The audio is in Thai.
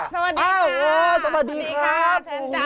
สวัสดีครับสวัสดีครับ